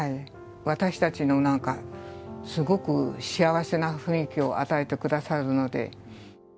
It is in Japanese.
私たちのなんか、すごく幸せな雰囲気を与えてくださるので。